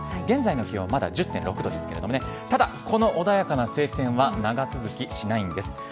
現在の気温は１０．６度ですがこの穏やかな晴天は長続きしないんです。